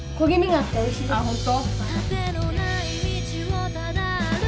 あっ本当？